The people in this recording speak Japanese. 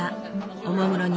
おもむろに